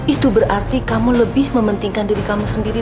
itu berarti kamu lebih mementingkan diri kamu sendiri